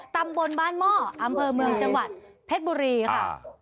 ตำบลบ้านหม้ออำเภอเมืองจังหวัดเพชรบุรีค่ะ